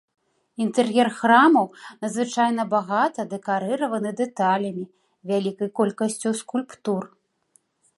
Інтэр'ер храмаў надзвычайна багата дэкарыраваны дэталямі, вялікай колькасцю скульптур.